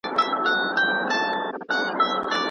صادقانه خدمت د عبادت په څېر دی.